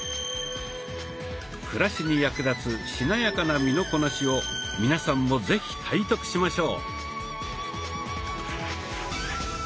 暮らしに役立つしなやかな身のこなしを皆さんも是非体得しましょう。